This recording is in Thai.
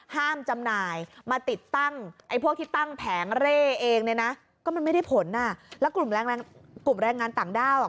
ก็มันไม่ได้ผลนะแล้วกลุ่มแรงงานต่างเด้า